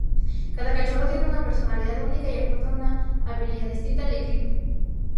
Cada cachorro tiene una personalidad única y aporta una habilidad distinta al equipo.